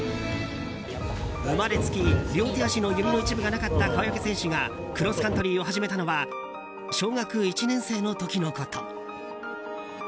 生まれつき両手足の指の一部がなかった川除選手がクロスカントリーを始めたのは小学１年生の時のこと。